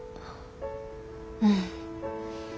うん。